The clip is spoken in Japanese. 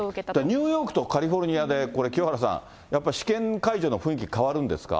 ニューヨークとカリフォルニアでこれ、清原さん、やっぱり試験会場の雰囲気変わるんですか？